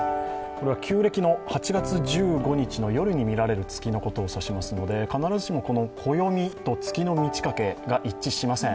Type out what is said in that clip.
旧暦の８月１５日の夜に見られる月のことを指しますので必ずしも暦と月の満ち欠けが一致しません。